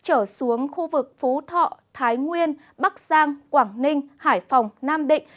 trở xuống khu vực phú thọ thái nguyên bắc giang quảng ninh hải phòng nam định